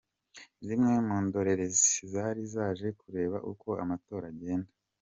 Zimwe mu ndorerezi zari zaje kureba uko amatora agenda.